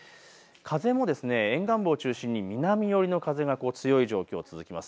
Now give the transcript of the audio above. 風も沿岸部を中心に南寄りの風が強い状況、続きます。